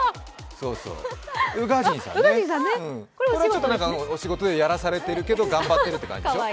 宇賀神さんね、これはお仕事でやらされてるけど、頑張ってるって感じでしょ。